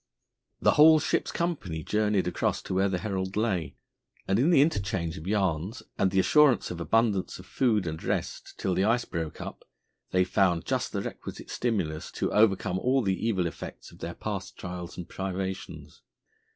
The whole ship's company journeyed across to where the Herald lay, and, in the interchange of yarns and the assurance of abundance of food and rest till the ice broke up, they found just the requisite stimulus to overcome all the evil effects of their past trials and privations.